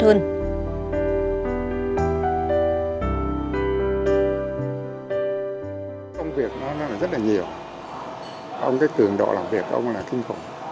thì viec nó nó là rất là nhiều ông cái cường độ làm việc ông là kinh khủng